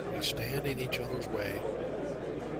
We stand in each others' way!